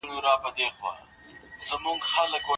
سیاسي ثبات د بهرنۍ پانګونې لپاره شرط دی.